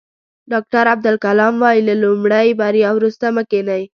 ډاکټر عبدالکلام وایي له لومړۍ بریا وروسته مه کینئ.